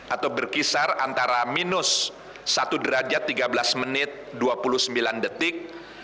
atau berkisar antara minus satu derajat tiga belas menit dua puluh sembilan detik